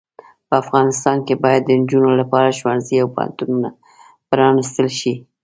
په افغانستان کې باید د انجونو لپاره ښوونځې او پوهنتونونه پرانستل شې.